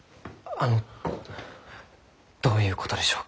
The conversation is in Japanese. あのどういうことでしょうか？